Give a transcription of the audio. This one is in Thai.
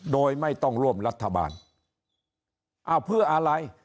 โดยไม่ต้องร่วมรัฐบาลเอาเพื่ออะไร